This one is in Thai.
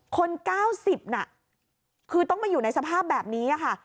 ๙๐น่ะคือต้องมาอยู่ในสภาพแบบนี้ค่ะ